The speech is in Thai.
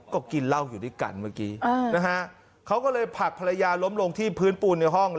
ก็กินเหล้าอยู่ด้วยกันเมื่อกี้เขาก็เลยผลักภรรยาล้มลงที่พื้นปูนในห้อง